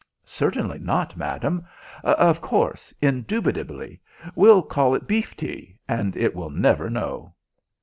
"Certainly not, madam. Of course, indubitably. We'll call it beef tea, and it will never know."